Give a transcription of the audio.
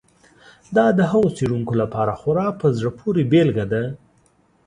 دا د هغو څېړونکو لپاره خورا په زړه پورې بېلګه ده.